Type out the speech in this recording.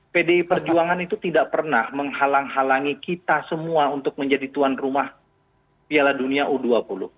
pdi perjuangan itu tidak pernah menghalang halangi kita semua untuk menjadi tuan rumah piala dunia u dua puluh